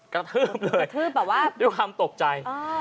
กระทืบเลยด้วยความตกใจ